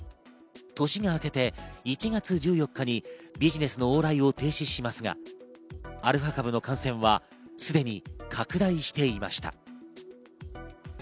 年が明けて１月１４日にビジネスの往来を停止しますが、アルファ株の感染はすでに拡大していました。